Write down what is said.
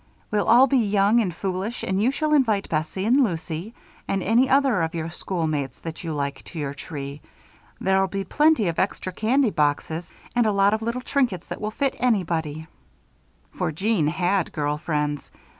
We'll all be young and foolish and you shall invite Bessie and Lucy, and any other of your schoolmates that you like, to your tree there'll be plenty of extra candy boxes and a lot of little trinkets that will fit anybody." For Jeanne had girl friends!